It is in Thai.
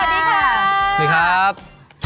สวัสดีครับ